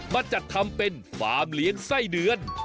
มาจัดทำเป็นฟาร์มเลี้ยงไส้เดือน